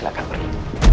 saya akan pergi